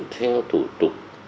theo thủ tục